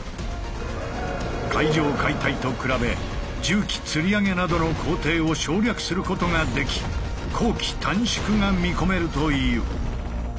階上解体と比べ重機つり上げなどの工程を省略することができ工期短縮が見込めるという。